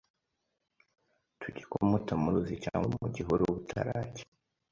tujye kumuta mu ruzi cyangwa mu gihuru butaracya,